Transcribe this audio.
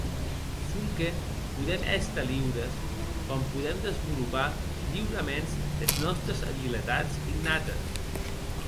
Sonque podem èster liures quan podem desvolopar liuraments es nòstes abiletats innates.